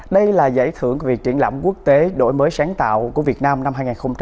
đây là giải thưởng của việc triển lãm quốc tế đổi mới sáng tạo của việt nam năm hai nghìn hai mươi ba